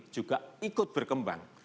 juga ikut berkembang